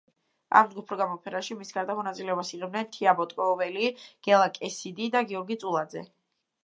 ამ ჯგუფურ გამოფენაში, მის გარდა მონაწილეობას იღებდნენ თეა ბოტკოველი, გელა კესიდი და გიორგი წულაძე.